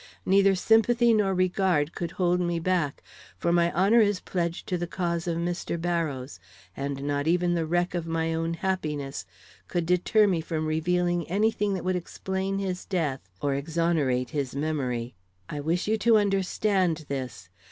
Neither sympathy nor regard could hold me back; for my honor is pledged to the cause of Mr. Barrows, and not even the wreck of my own happiness could deter me from revealing any thing that would explain his death or exonerate his memory. I wish you to understand this.